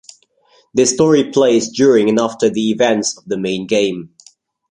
This story plays during and after the events of the main game.